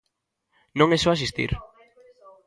Non é só asistir.